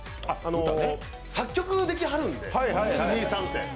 作曲できはるんで、辻井さんって。